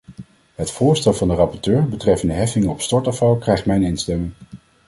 Het voorstel van de rapporteur betreffende heffingen op stortafval krijgt mijn instemming.